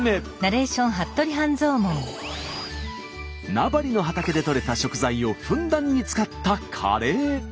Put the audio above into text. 名張の畑でとれた食材をふんだんに使ったカレー。